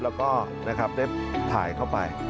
แล้วก็นะครับได้ถ่ายเข้าไป